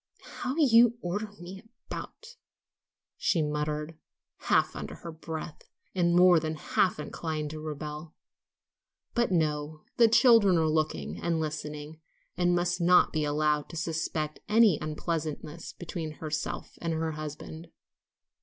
"How you do order me about," she muttered, half under her breath, and more than half inclined to rebel. But no; the children were looking and listening, and must not be allowed to suspect any unpleasantness between herself and her husband.